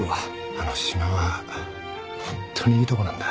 あの島はホントにいいとこなんだ。